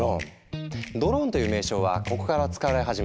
ドローンという名称はここから使われ始めたそう。